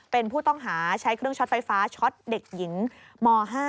เป็นผู้ต้องหาใช้เครื่องช็อตไฟฟ้าช็อตเด็กหญิงม๕